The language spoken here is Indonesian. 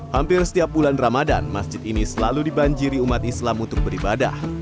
hampir setiap bulan ramadan masjid ini selalu dibanjiri umat islam untuk beribadah